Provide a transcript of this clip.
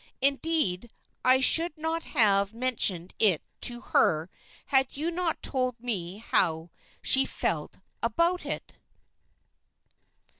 Indeed, I should not have mentioned it to her had you not told me how she felt about it.